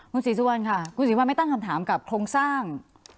คุณศรีสุวรรณค่ะคุณศรีวัลไม่ตั้งคำถามกับโครงสร้าง